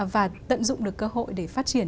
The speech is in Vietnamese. và tận dụng được cơ hội để phát triển